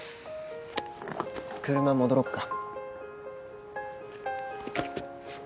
車戻ろうか。